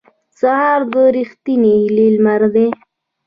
سهار د رښتینې هیلې لمر دی.